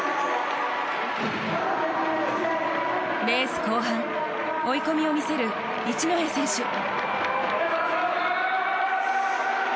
レース後半追い込みを見せる、一戸選手。